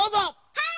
はい！